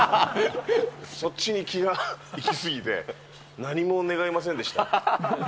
そっちに気が行き過ぎて、何も願いませんでした。